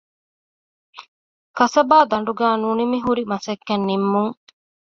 ކަސަބާދަނޑުގައި ނުނިމިހުރި މަސައްކަތް ނިންމުން